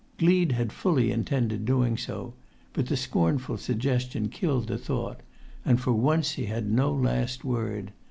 Gleed had fully intended doing so, but the scornful suggestion killed the thought, and for once he had no last word.